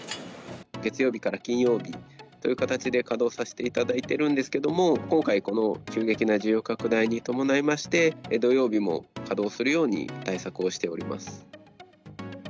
月曜日から金曜日という形で稼働させていただいてるんですけれども、今回、この急激な需要拡大に伴いまして、土曜日も稼働するように対策をしております。